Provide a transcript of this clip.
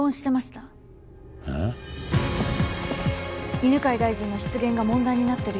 犬飼大臣の失言が問題になってる